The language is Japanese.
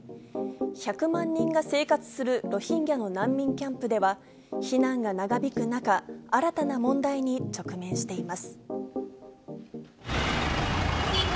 １００万人が生活するロヒンギャの難民キャンプでは、避難が長引く中、新たな問題に直面しています。